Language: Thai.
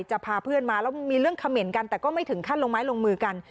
พาเพื่อนมาแล้วมีเรื่องเขม่นกันแต่ก็ไม่ถึงขั้นลงไม้ลงมือกัน